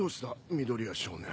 緑谷少年。